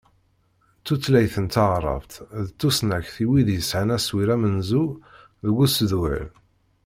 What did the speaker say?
Tutlayt n taɛrabt d tusnakt i wid yesɛan aswir amenzu deg usedwel.